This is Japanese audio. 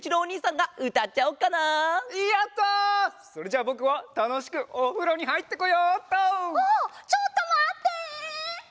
ああっちょっとまって！